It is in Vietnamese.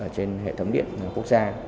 trên hệ thống điện quốc gia